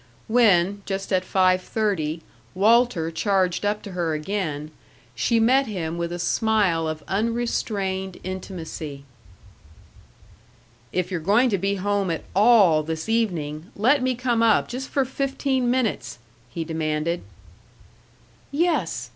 When, just at five thirty, Walter charged up to her again, she met him with a smile of unrestrained intimacy. "If you're going to be home at all this evening, let me come up just for fifteen minutes!" he demanded. "Yes!"